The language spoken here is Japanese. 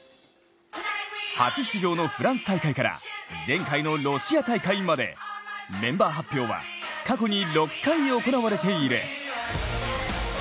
初出場のフランス大会から前回のロシア大会まで、メンバー発表は過去に６回行われている。